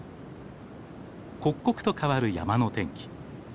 刻々と変わる山の天気。